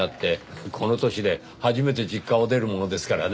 この年で初めて実家を出るものですからね